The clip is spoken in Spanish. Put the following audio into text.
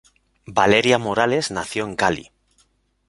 Valeria Morales nació en Cali.